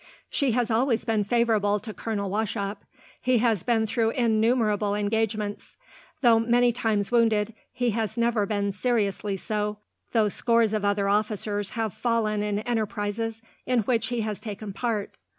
"She has always been favourable to Colonel Wauchop. He has been through innumerable engagements. Though many times wounded, he has never been seriously so, though scores of other officers have fallen in enterprises in which he has taken part.